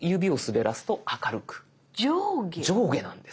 上下なんです。